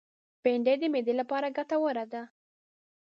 بېنډۍ د معدې لپاره ګټوره ده